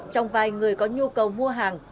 trong vài người có nhu cầu mua hàng